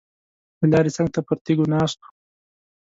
د لارې څنګ ته پر تیږو ناست وو.